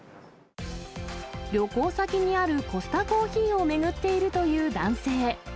旅行先にあるコスタコーヒーを巡っているという男性。